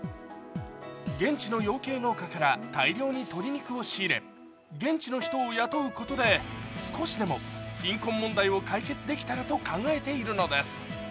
現地の養鶏農家から大量に鶏肉を仕入れ現地の人を雇うことで少しでも貧困問題を解決できたらと考えているのです。